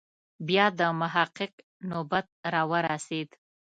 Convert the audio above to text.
بیا د محقق نوبت راورسېد.